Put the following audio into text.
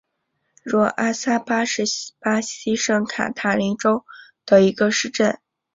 若阿萨巴是巴西圣卡塔琳娜州的一个市镇。